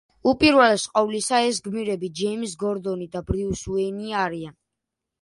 უპირველეს ყოვლისა, ეს გმირები ჯეიმზ გორდონი და ბრიუს უეინი არიან.